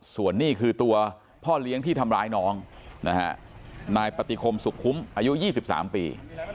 ส่วนนี้คือตัวพ่อเลี้ยงที่ทำร้ายน้องนะฮะนายปฏิคมสุขคุ้มอายุ๒๓ปี